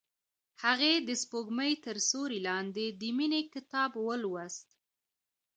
هغې د سپوږمۍ تر سیوري لاندې د مینې کتاب ولوست.